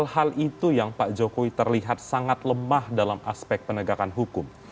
hal hal itu yang pak jokowi terlihat sangat lemah dalam aspek penegakan hukum